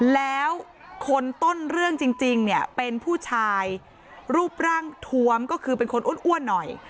แล้วคนต้นเรื่องจริงเนี่ยเป็นผู้ชายรูปร่างทวมก็คือเป็นคนอ้วนหน่อย